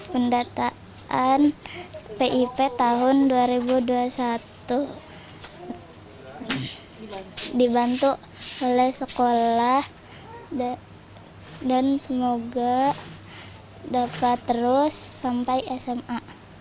pendataan pip tahun dua ribu dua puluh satu dibantu oleh sekolah dan semoga dapat terus sampai sma